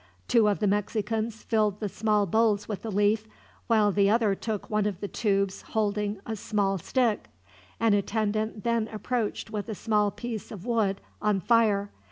Two of the Mexicans filled the small bowls with the leaf, while the other took one of the tubes holding a small stick. An attendant then approached with a small piece of wood, on fire.